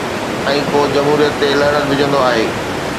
۽ ڪو جمهوريت تي لعنت وجهندو آهي.